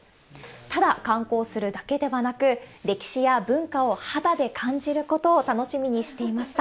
ただ観光するだけではなく、歴史や文化を肌で感じることを楽しみにしていました。